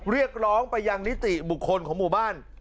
เรียกร้องไปยังนิติบุคคลของหมู่บ้าน